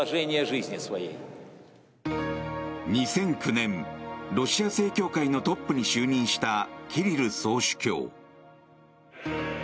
２００９年、ロシア正教会のトップに就任したキリル総主教。